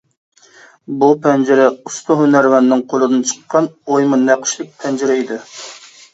بۇ پەنجىرە ئۇستا ھۈنەرۋەننىڭ قولىدىن چىققان ئويما نەقىشلىك پەنجىرە ئىدى.